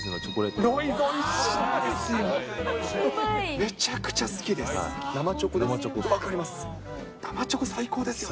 生チョコですよね。